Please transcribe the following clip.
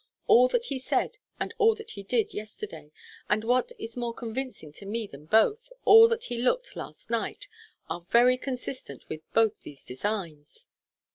All that he said and all that he did yesterday, and, what is more convincing to me than both, all that he looked last night, are very consistent with both these designs."